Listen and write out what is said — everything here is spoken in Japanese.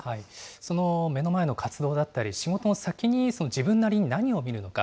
その目の前の活動だったり、仕事の先に自分なりに何を見るのか。